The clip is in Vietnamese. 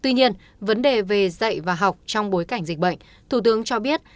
tuy nhiên vấn đề về dạy và học trong bối cảnh dịch bệnh thủ tướng cho biết